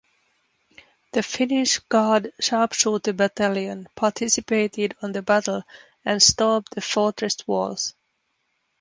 The Finnish Guard sharpshooter battalion participated on the battle and stormed the fortress walls.